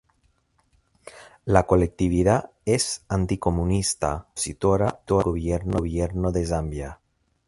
La colectividad es anticomunista y opositora al gobierno de Zambia.